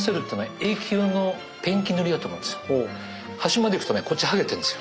端まで行くとねこっち剥げてるんですよ。